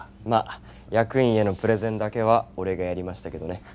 まあ役員へのプレゼンだけは俺がやりましたけどね。